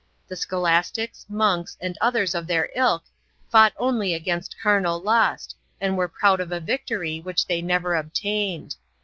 The scholastics, monks, and others of their ilk fought only against carnal lust and were proud of a victory which they never obtained.